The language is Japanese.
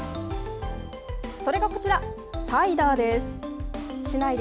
それがこちら、サイダーです。